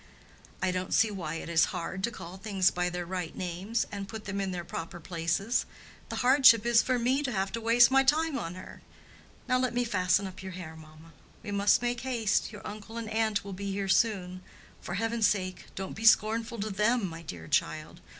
"I don't see why it is hard to call things by their right names, and put them in their proper places. The hardship is for me to have to waste my time on her. Now let me fasten up your hair, mamma." "We must make haste; your uncle and aunt will be here soon. For heaven's sake, don't be scornful to them, my dear child!